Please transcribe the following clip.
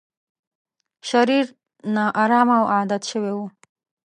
شرير، نا ارامه او عادت شوی و.